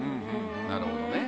なるほどね。